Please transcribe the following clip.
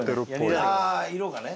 ああ色がね。